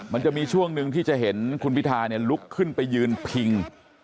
มันจะมีช่วงหนึ่งที่จะเห็นคุณพิธาลุกขึ้นไปยืนพิง